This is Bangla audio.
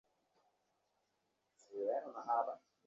এই-যে রসিকবাবু এসেছেন ভালোই হয়েছে।